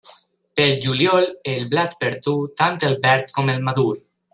Pel juliol, el blat per tu, tant el verd com el madur.